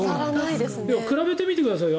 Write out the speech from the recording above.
でも比べてみてくださいよ。